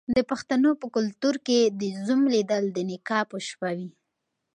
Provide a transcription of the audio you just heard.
د پښتنو په کلتور کې د زوم لیدل د نکاح په شپه وي.